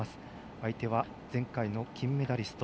相手は前回の金メダリスト